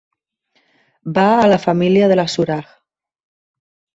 Va la família de la Suraj.